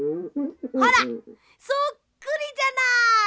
ほらそっくりじゃない！